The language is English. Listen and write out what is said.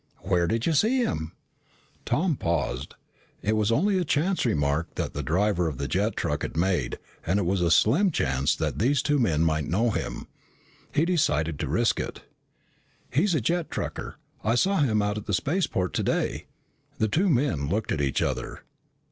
"Where did you see him?" Tom paused. It was only a chance remark that the driver of the jet truck had made and it was a slim chance that these two men might know him. He decided to risk it. "He's a jet trucker. I saw him out at the spaceport today." The two men looked at each other.